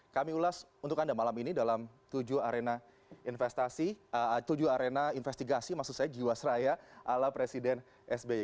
kami ulas untuk anda malam ini dalam tujuh arena investigasi jiwasraya ala presiden sbi